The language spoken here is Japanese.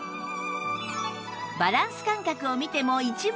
バランス感覚を見ても一目瞭然